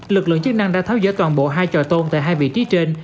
lực lượng chức năng đã tháo dỡ toàn bộ hai trò tôn tại hai vị trí trên